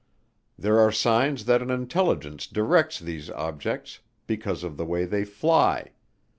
"There are signs that an intelligence directs these objects because of the way they fly.